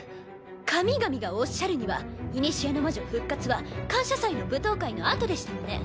神々がおっしゃるには古の魔女復活は感謝祭の舞踏会のあとでしたわね。